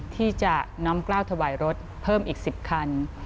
ที่จะน้อมกล้าวถวายรถเพิ่มอีก๑๐คัน